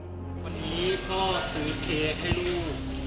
วันนี้พ่อซื้อเค้กให้ลูก